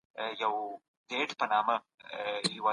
عاطفي اوښکې تر ټولو پېچلې دي.